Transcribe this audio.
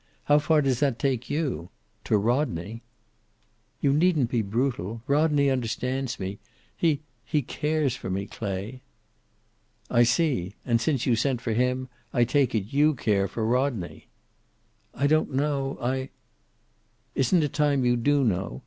How far does that take you? To Rodney!" "You needn't be brutal. Rodney understands me. He he cares for me, Clay." "I see. And, since you sent for him I take it you care for Rodney." "I don't know. I " "Isn't it time you do know?